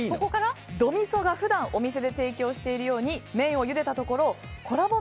ど・みそが普段お店で提供しているように麺をゆでたところコラボ